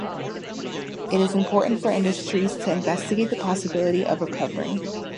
It is important for industries to investigate the possibility of recovering